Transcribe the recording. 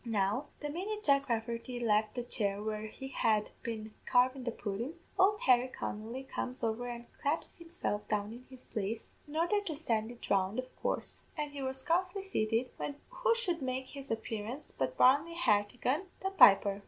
Now the minute Jack Rafferty left the chair where he had been carvin' the pudden, ould Harry Connolly comes over and claps himself down in his place, in ordher to send it round, of coorse; an' he was scarcely sated, when who should make his appearance but Barney Hartigan, the piper.